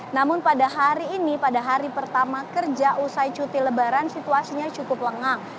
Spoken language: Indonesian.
namun pada hari ini pada hari pertama kerja usai cuti lebaran situasinya cukup lengang